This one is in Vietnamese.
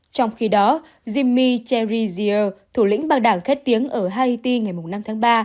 trong khi đó jimmy cherizier thủ lĩnh băng đảng khét tiếng ở haiti ngày năm tháng ba